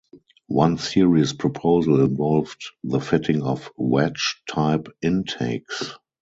One serious proposal involved the fitting of "wedge" type intakes.